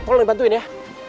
tolong dibantuin ya